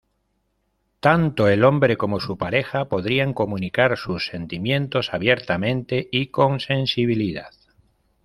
Tanto el hombre como su pareja podrían comunicar sus sentimientos abiertamente y con sensibilidad.